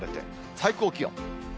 最高気温。